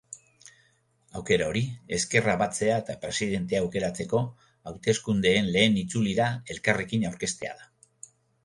Aukera hori ezkerra batzea eta presidentea aukeratzeko hauteskundeen lehen itzulira elkarrekin aurkeztea da.